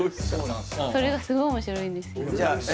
それがすごい面白いんですよじゃ